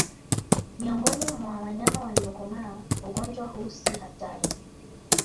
Miongoni mwa wanyama waliokomaa ugonjwa huu si hatari